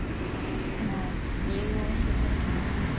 あの理由をお教えいただけますか？